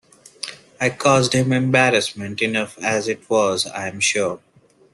I caused him embarrassment enough as it was, I am sure.